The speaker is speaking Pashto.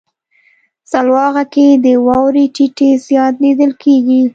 سلواغه کې د واورې ټيټی زیات لیدل کیږي.